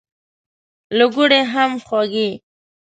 له ګوړې هم خوږې.